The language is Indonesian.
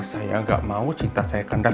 saya gak mau cinta saya kandas